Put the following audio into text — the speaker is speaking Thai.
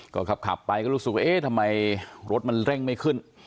ก็ขับไปก็รู้สึกว่าเอ๊ะทำไมรถมันเร่งไม่ขึ้น